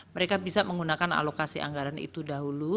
mereka bisa menggunakan alokasi anggaran itu dahulu